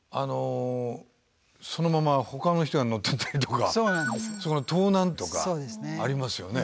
そのままほかの人が乗ってったりとか盗難とかありますよね。